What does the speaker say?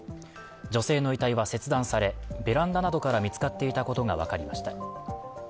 女性の遺体は切断されベランダなどから見つかっていたことが分かりました。